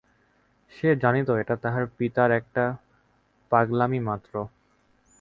সে জানিত এটা তাহার পিতার একটা পাগলামিমাত্র।